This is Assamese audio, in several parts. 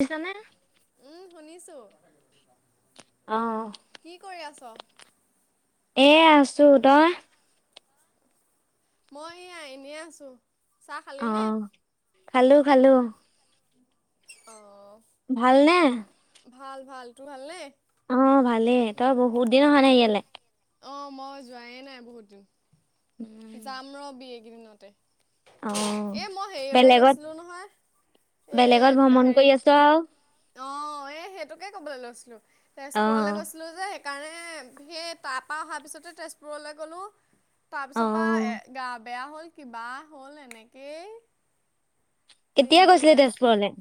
শুনিছানে? উম, শুনিছোঁ। অ', কি কৰি আছ? এ, আছোঁ তই? মই এইয়া এনে আছোঁ চাহ খালি নে? খালোঁ, খালোঁ। অ', ভাল নে? ভাল, ভাল তোৰ ভালনেই? অ' ভালেই তই বহুত দিন অহা নাই ইয়ালে। অ' মই যোৱায়ে নাই বহুত দিন যাম ৰবি এইকেইদিনতে। অ', এ, মই হেৰিয়লে বেলেগত গৈছিলোঁ নহয় বেলেগত এ ভ্ৰমণ হেৰি [unintelligible] অ, এই সেইটোকে ক'বলে লৈছিলোঁ তেজপুৰলে অ', গৈছ ছিলোঁ যে সেইকাৰণে সেই তাৰ পা অহা পিছতে তেজপুৰলে গ'লোঁ। তাৰপিছৰ পা অ', এ, গা বেয়া হ'ল, কিবা হ'ল এনেকেই। কেতিয়া দিনবোৰ গৈ গৈছিলি আছে তেজপুৰলে?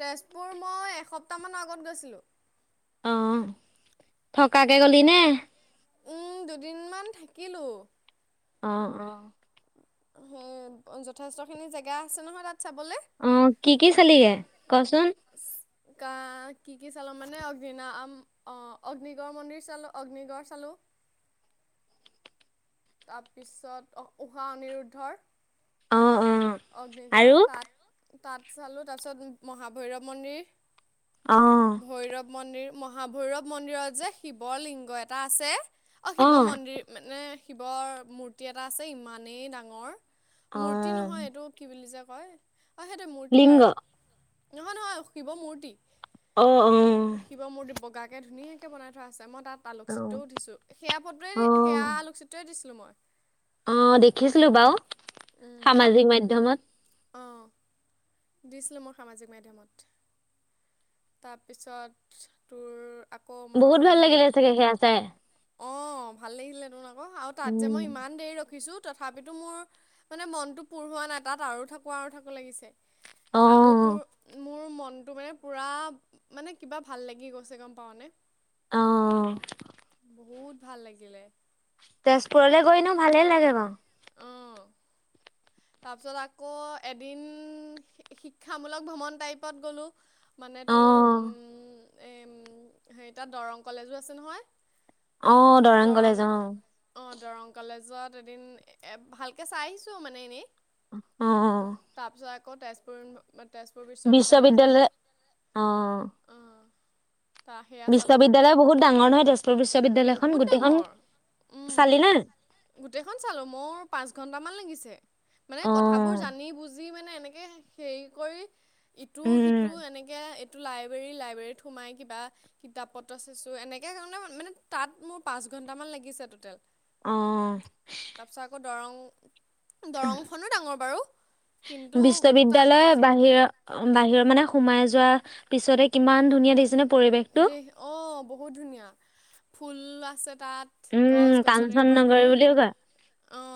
তেজপুৰ মই এসপ্তাহমানৰ আগত গৈছিলোঁ। অ' থকাকে গলি নে? উম, দুদিনমান থাকিলোঁ। অ' অ' [unintelligible] সেই যথেষ্টখিনি জেগা আছে নহয়, তাত চাবলে। উম, কি, কি চালি [unintelligible] ক'চোন? ইচ কা কি, কি চালোঁ মানে অগ্নি নাম অ' অগ্নিগড় মন্দিৰ চালোঁ, অগ্নিগড় চালোঁ। তাৰপিছত উষা অনিৰুদ্ধৰ অ' অ'। অগ্নিগড় আৰু? তাত, তাত চালোঁ তাৰপিছত মহাভৈৰৱ মন্দিৰ। অ', ভৈৰৱ মন্দিৰ মহাভৈৰৱ মন্দিৰত যে শিৱ লিংগ এটা আছে। অ' শিৱ মন্দিৰ মানে, শিৱৰ মূৰ্তি এটা আছে ইমানেই ডাঙৰ। মূৰ্তি অ'। নহয় এইটো কি বুলি যে কয় অ' [unintelligible] মূৰ্তি লিংগ আৰু অ', নহয়, নহয় [unintelligible] শিৱ মূৰ্তি। অ' অ' শিৱ মূৰ্তি বগাকে ধুনীয়াকে বনাই থোৱা আছে মই তাত অ'। আলুকচিত্ৰওঁ ওঠিছোঁ। সেয়া ফটোৱে [unintelligible] সেয়া অ', আলোকচিত্ৰই দিছিলোঁ মই। অ' দেখিছিলোঁ বাও সামাজিক মাধ্যমত। অ', দিছিলোঁ মই সামাজিক মাধ্যমত, তাৰপিছত তোৰ আক- বহুত ভাল লাগিলে চাগে সেয়া চাই। অ ভাল লাগিলে তোন আকৌ, আৰু তাত যে উম। মই ইমান দেৰি ৰখিছোঁ। তথাপিতো মোৰ মানে মনটো পুৰ হোৱা নাই, তাত আৰু থাকো আৰু থাকো লাগিছে। আৰু অ', তোৰ মোৰ মনটো মানে পূৰা, মানে কিবা ভাল লাগি গৈছে গম পাওঁ নে। অ। বহুত ভাল লাগিলে। তেজপুৰলৈ গৈ এনেও ভালেই লাগে বাৰু। অ। তাৰপিছত আকৌ এদিন, শি শিক্ষামূলক ভ্ৰমণ টাইপত গলোঁ। মানে তোৰ অ', উম এই উম হেৰি তাত দৰং কলেজো আছে নহয়। অ দৰং কলেজ অ। অ দৰং কলেজত এদিন এ ভালকৈ চাই আহিছোঁ মানে এনেই। অ অ। তাৰপিছত আকৌ তেজপুৰ ই মই তেজপুৰ বি বিশ্ববিদ্যালয় অ। অঁ তাৰ সেয়া চালোঁ বিশ্ববিদ্যালয় বহুত ডাঙৰ নহয় তেজপুৰ বহুত বিশ্ববিদ্যালয়খন গোটেইখন। ডাঙৰ উম। চালি নাই? গোটেইখন চালোঁ, মোৰ পাঁচ ঘণ্টামান লাগিছে। মানে কথাবোৰ অ', জানি বুজি মানে এনেকে হেৰি কৰি, ইটো উম, সিটো এনেকে, এইটো লাইব্ৰেৰী লাইব্ৰেৰীত সোমাই কিবা কিতাপ পত্ৰ চাইছো, এনেকে মানে তাত মোৰ পাঁচ ঘণ্টামান লাগিছে টোটেল। অ', তাৰপিছত আকৌ দৰং, উ দৰং- ডাঙৰ বাৰু, কিন্তু তাত বাহিৰ বাহিৰৰ মানে সোমাই যোৱা পিছতে কিমান ধুনীয়া দেখিছেনে পৰিৱেশটো? অ বহুত ধুনীয়া, ফুল আছে তাত। উম, গছ গছনিৰ কাঞ্চন পৰা নগৰী ধৰি, বুলিও কয় অ।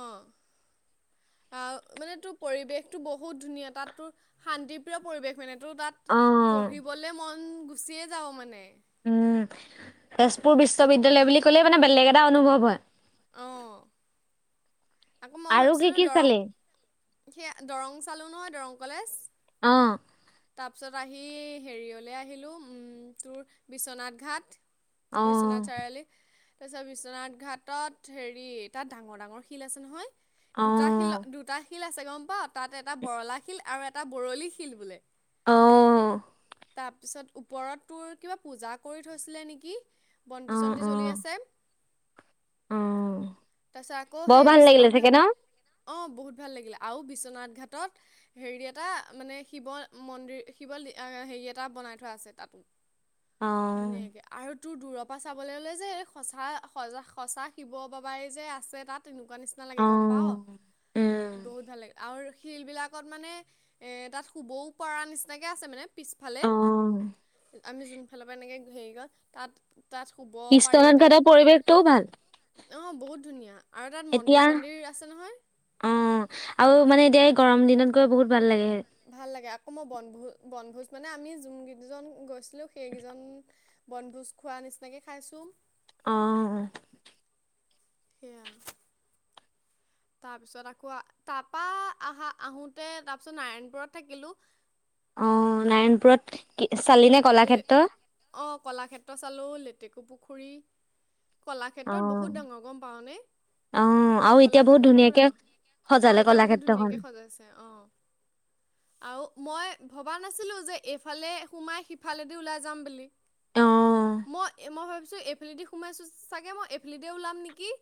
আ মানে তোৰ পৰিৱেশটো বহুত ধুনীয়া, তাত তোৰ শান্তিপ্ৰিয় পৰিৱেশ মানে। তোৰ তাত অ'। পঢ়িবলে মন গুচিয়ে যাব মান। উম, তেজপুৰ বিশ্ববিদ্যালয়ৰ বুলি ক'লে মানে বেলেগ এটা অনুভৱ হয়। অ। আকৌ মই আৰু কি ভাবিছিলোঁ কি দৰং, চালি? সেয়া দৰং চালো নহয় দৰং কলেজ। অ। তাৰপিছত আহি হেৰিয়লৈ আহিলোঁ, উম তোৰ বিশ্বনাথ ঘাট। বিশ্বনাথ চাৰিআলি, তাৰপিছত বিশ্বনাথ ঘাটত হেৰি তাত ডাঙৰ ডাঙৰ শিল আছে নহয় দুটা শিল দুটা- শিল আছে গম পাৱ, তাত এটা বৰলা শিল আৰু এটা বৰলি শিল বোলে। অ'। তাৰপিছত ওপৰত তোৰ কিবা পূজা কৰি থৈছিলে নেকি। বন্তি চন্তি জ্বলি আছে। তাৰপিছত আকৌ বৰ সেই ভাল লাগিলে বিশ্বনাথ চাগে ঘাট ন? অ, বহুত ভাল লাগিলে আৰু বিশ্বনাথ ঘাটত- হেৰি এটা মানে শিৱ মন্দিৰ শিৱ লি হেৰি এটা বনাই থোৱা আছে তাতো। অ ধুনীয়াকে। আৰু তোৰ দূৰৰ পৰা চাবলৈ ল'লে যে এই সচা- স -সচা শিৱ বাবাই যে আছে তাত। শুৱা নিচিনা অ লাগে গম পাও, উম বহুত ভাল লাগে। আৰু শিলবিলাকত মানে তাত শুবও পৰা নিচিনাকৈ আছে মানে। পিছফালে, অ আমি জোনফালৰ পৰা এনেকে হেৰী কৰ তাত - তাত শুবও পিস্তলান খটাৰ পৰিৱেশটোও ভাল। অ, বহুত ধুনীয়া আৰু তাত এতিয়া মন্দিৰ- চন্দিৰ আছে নহয়। অ, আৰু মানে এতিয়া এই গৰম দিনত গৈ বহুত ভাল লাগে। ভাল লাগে আকৌ, মই বনভোজ- বনভোজ মানে আমি যোনকেইজন গৈছিলোঁ। সেইকেইজন বনভোজ খোৱা নিচিনাকৈ খাইছো। অ, অহ। সেইয়া। তাৰপিছত আকৌ তাৰপা আহা- আহোতে তাৰপিছত নাৰায়ণপুৰত থাকিলোঁ। অ, নাৰায়ণপুৰত কি চালিনে কলাক্ষেত্ৰ? অ, কলাক্ষেত্ৰ চালোঁ। লেটেকু পুখুৰী কলাক্ষেত্ৰত অ' বহুত ডাঙৰ গম পাওনে? অ' আৰু এতিয়া বহুত কলাক্ষেত্ৰখনো ধুনীয়াকে ডাঙৰ। অ, সজালে এতিয়া বহুত কলাক্ষেত্ৰখন। ধুনীয়াকে সজাইছে অ। আৰু মই ভবা নাছিলো যে, এইফালে সোমাই সিফালেদি ওলাই যাম বুলি। অ', মই-মই ভাবিছো এইফালিদি সোমাইছো চাগে মই এফালিদি ওলাম নেকি?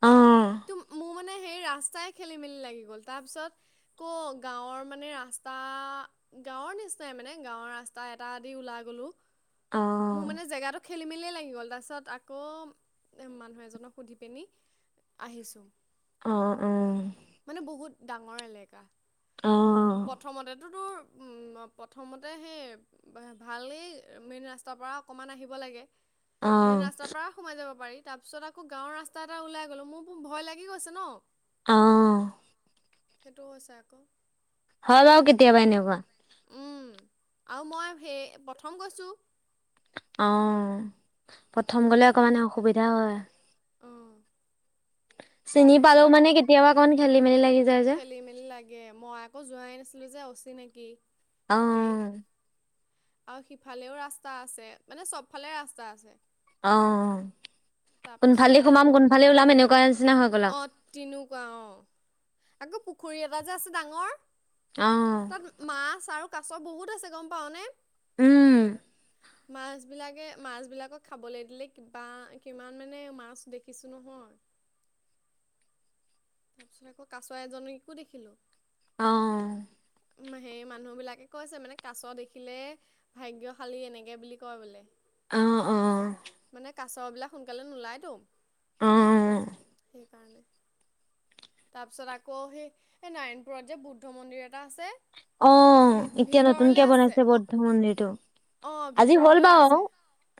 অ', অ', মোৰ মানে সেই ৰাস্তাই খেলি- মেলি লাগি গ'ল। তাৰ পিছত কৰ গাঁৱৰ মানে ৰাস্তা, গাঁৱৰ নিচিনাই মানে গাঁৱৰ ৰাস্তা। টা এটা দি ওলাই গ'লো। মোৰ মানে জেগাটো খেলি মেলিয়েই লাগি গ'ল। তাৰপিছত আকৌ, মানুহ এজনক সুধি পিনি আহিছোঁ। অ- উম। মানে বহুত ডাঙৰ এলেকা। অ', প্ৰথমতে তোৰ, প্ৰথমতে সেই ভালেই, মেইন ৰাস্তাৰ পৰা অকণমান আহিব লাগে। মেইন অ', ৰাস্তাৰ পৰা সোমাই যাব পাৰি, তাৰ পিছত আকৌ গাঁৱৰ ৰাস্তা এটা ওলাই গ'লো। মোৰ ভয় লাগি গৈছে ন। অ। সেইটোও হৈছে আকৌ। হয় বাৰু কেতিয়াবা, এনেকোৱা। উম, আৰু মই সেই প্ৰথম কৈছো। অ, প্ৰথম গ'লে সেইটো কথা। অকণমান অসুবিধা হয়। অঁ, চিনি তাৰপিছত পালোও মানে কেতিয়াবা অকণমান খেলি মেলি লাগি যায় যে। মেলি-মেলি লাগে। মই আকৌ যোৱাই নাছিলোঁ যে, অছিনাকি তাতেই। অ', আৰু সিফালেও ৰাস্তা আছে। মানে চবফালে ৰাস্তা আছে। অ, তাৰপিছত কোনফালে সোমাম। আকৌ কোনফালে ওলাম এনেকুৱা। নিচিনা হৈ গ'ল অ, আৰু তেতিনেকুৱা অ, আকৌ পুখুৰী এটা যে আছে ডাঙৰ। অ। তাত মাছ আৰু কাছ বহুত আছে গম পাও নে? উম। মাছবিলাকে - মাছবিলাকক খাবলৈ দিলে কিবা কিমান মানে মাছ দেখিছো নহয়। তাৰপিছত আকৌ কাছ এজনীকো দেখিলোঁ। অ। সেই মানুহবিলাকে কৈছে মানে কাছ দেখিলে, ভাগ্যশালী এনেকে বুলি কয় বোলে। অ', অ', মানে কাছ বিলাক সোনকালে নোলায়টো। অঁ'। সেই কাৰণে। তাপিছত আকৌ সেই এই নাৰায়ণপুৰত যে বৌদ্ধ মন্দিৰ এটা আছে। অঁ ভি এতিয়া ভিতৰলে নতুনকে আছে বনাইছে অ' বৌদ্ধ মন্দিৰটো। অ' আজি হ'ল ভিতৰলে বাওঁ, আছে।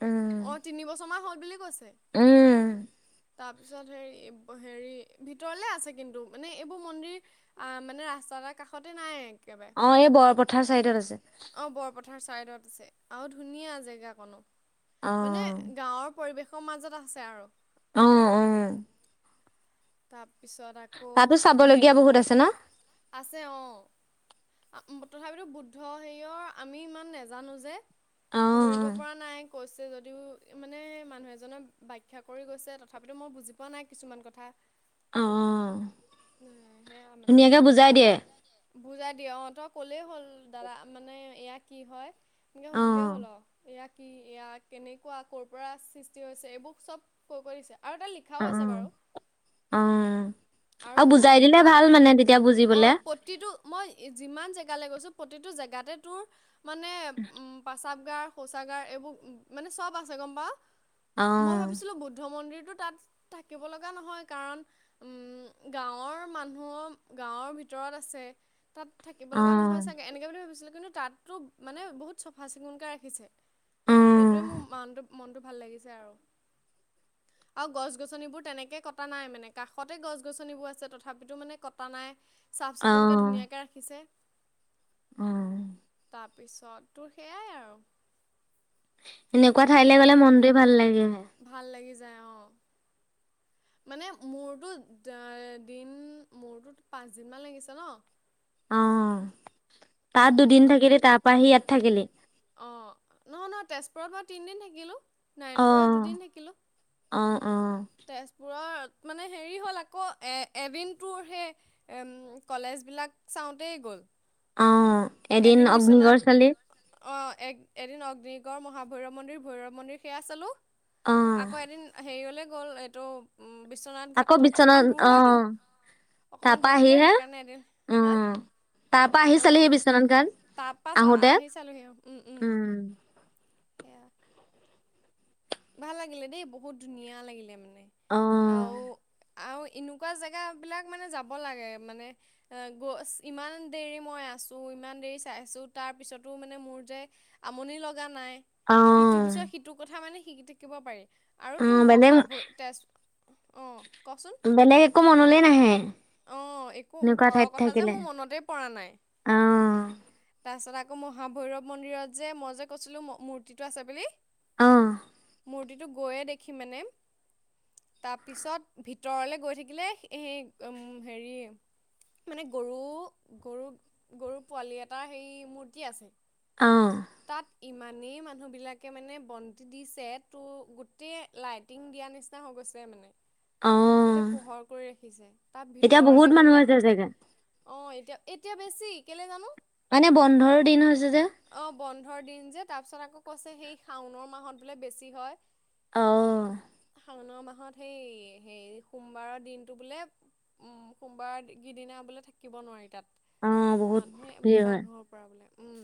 উম। অ' তিনি বছৰমান হ'ল বুলি কৈছে। উম, তাপিছত হেৰি হেৰি ভিতৰলে আছে কিন্তু মানে এইবোৰ মন্দিৰ- আঁ মানে ৰাস্তা এটা কাষতে নাই একেবাৰে। অঁ এই বৰপথাৰ চাইডত আছে। অঁ বৰপথাৰ ছাইডত আছে আৰু ধুনীয়া জেগা কণো, অ মানে গাঁৱৰ- পৰিৱেশৰ মাজত আছে আৰু। অঁ অঁ। তাপিছত আক- তাতো চাবলগীয়া বহুত আছে ন। আছে অঁ। তথাপিতো বৌদ্ধ হেয়ৰ আমি ইমান নাজানো যে, অ ধৰিব পৰা নাই। কৈছে যদিও মানে মানুহ এজনৰ বাখ্যা কৰি গৈছে, তথাপিতো মই বুজি পোৱা নাই কিছুমান কথা। [inaudible] অঁ সেয়া মানে ধুনীয়াকে বুজাই দিয়ে। বুজাই দিয়ে অঁ তই ক'লেই হ'ল দাদা মানে এয়া কি হয়? এনেকে অ সুধিলেই হ'ল, এইয়াক- কি এয়া কেনেকুৱা কৰ' পৰা সৃষ্টি হৈছে এইবোৰ চব কৈ কৈ দিছে, আৰু এটা লিখ- খাও আছে বাৰু। অঁ আৰু বুজাই দিলে ভাল মানে তেতিয়া বুজিবলে। তিটো মই যিমান জেগালে গৈছো, প্ৰতিটো জেগাতে তোৰ- মানে পাস্ৰাৱগাৰ শৌচাগাৰ এইবোৰ মানে চব আছে গম পাৱ। অ মই ভাবিছিলো বৌদ্ধ মন্দিৰটো তাত থাকিব লগা নহয়, কাৰণ- উম' গাঁৱৰ মানুহ গাঁৱৰ ভিতৰত আছে। তাত থাকিব অ লগা নহয় চাগে এনেকে বুলি ভাবিছিলোঁ, কিন্তু তাততো মানে বহুত চফা চিকুণকে ৰাখিছে। অ সেইটোৱে মোৰ মানটো মনটো ভাল লাগিছে আৰু। আৰু গছ গছনিবোৰ তেনেকে কটা নাই মানে কাষতে গছ গছনিবোৰ আছে তথাপিতো মানে কটা নাই। চাফ অ চিকুণকে ধুনীয়াকে ৰাখিছে। অঁ'। তাপিছত তোৰ সেয়াই আৰু। এনেকুৱা তাৰপিছত ঠাইলে ক'লে গ'লে মনটোৱে ভাল লাগি আহে। ভাল লাগি যায় অঁ। মানে মোৰতো দিন মোৰতো পাঁচ দিন মান লাগিছে ন। অঁ তাত দুদিন উম থাকিলি তাৰ পৰা আহি ইয়াত থাকিলি। অঁ নহয় নহয় তেজপুৰত মই তিনিদিন থাকিলোঁ। নাৰায়ণপুৰত অঁ, দুদিন থাকিলোঁ অঁ অঁ। তেজপুৰত মানে হেৰি হ'ল আকৌ এ এভিনটোৰ সেই- এম কলেজ বিলাক চাওঁতেই গ'ল। অ এদিন অগ্নিগড় বিচনাত- চালি অঁ এক এদিন অগ্নিগড় মহাভৈৰৱ মন্দিৰ, ভৈৰৱ মন্দিৰ সেয়া চালো, অ - আকৌ এদিন হেৰিয়লে গ'ল, এইটো- উম, বিশ্বনাথ আকৌ ঘাটৰ অকণমান বিশ্বনাথ দূৰ হয়তো। অ অকমান তাৰপা দূৰ যে আহিহে সেইকাৰণে এদিন হে উম তাৰ পৰা আহি অ। চালিহি বিশ্বনাথ ঘাট তাৰপা ছা আহোতে আহি চালোহি অ উম উম। উম। সেয়া। ভাল লাগিলে দেই বহুত ধুনীয়া লাগিলে মানে, অ আও - আও এনেকোৱা জেগাবিলাক মানে যাব লাগে, মানে - এ গৈছ ইমান দেৰি মই আছো ইমান দেৰি চাইছো তাৰপিছতো মানে মোৰ যে - আমনি লগা নাই। অ ইটোৰ পিছত সিটো কথা মানে শিকি থাকিব পাৰি। আৰু অ তো বেলেগ মহাভৈ তেজ অঁ বেলেগ একো মনলে নাহে। অ একো এনেকুৱা ঠাইত ঘৰৰ কথা যে থাকিলে মোৰ মনতেই পৰা নাই। অ তাৰপিছত আকৌ মহাভৈৰৱ মন্দিৰত যে মই যে কৈছিলো মূ মূৰ্তিটো আছে বুলি, - অঁ। মূৰ্তিটো গৈয়ে দেখি মানে, - তা পিছত ভিতৰলে গৈ থাকিলে সে সে উম হেৰি - মানে গৰু গৰু গৰুৰ পোৱালি এটা সেই মূৰ্তি আছে। অ। তাত ইমানেই মানুহ বিলাকে মানে বন্তি দিছে তোৰ গোটেই - লাইটিং দিয়া নিচিনা হৈ গৈছে মানে। অ গোটেই পোহৰ কৰি ৰাখিছে, তাত এতিয়া বহুত ভিতৰলে মানুহ গ'লে হৈছে চাগে - অ এতিয়া, এতিয়া বেছি কেলে জানো? মানে বন্ধৰ দিন হৈছে যে। অ বন্ধৰ দিন যে, তাৰপিছত আকৌ কৈছে সেই শাওনৰ মাহত বোলে বেছি হয়। অঁ। শাওণ মাহত সেই হে সোমবাৰৰ দিনটো বোলে - উম, সোমবাৰ গিদিনা বোলে থাকিব নোৱাৰি অ তাত। বহুত মানুহে ভিৰ হয় মানুহৰ পৰা বোলে, উম।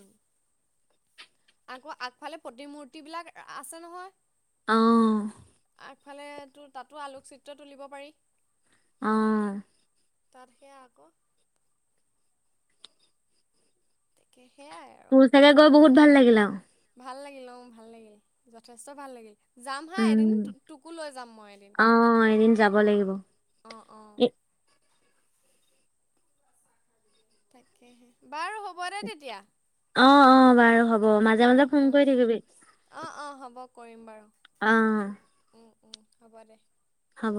আকৌ আগফালে প্ৰতিমূৰ্তি বিলাক আ আছে নহয়। অঁ। আগফালে তোৰ তাতো আলোকচিত্ৰ তুলিব পাৰি। অ। তাত সেয়া আক। তাকে সেইয়াই আৰু। তাকে গৈ বহুত ভাল লাগিলে আও। ভাল লাগিল অ ভাল লাগিল, যথেষ্ট ভাল লাগিল। যাম হা এদিন উম তো তোকো লৈ যাম মই এদিন, অ এদিন যাব লাগিব অ অ। এ- তাকেহে, বাৰু হ'ব দে তেতিয়া। অ অ বাৰু হ'ব, মাজে মাজে ফোন কৰি থাকিবি। অঁ অঁ হ'ব, কৰিম বাৰু। অঁ। উম উম, হ'ব দে। হব।